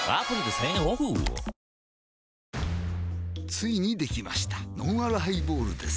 ついにできましたのんあるハイボールです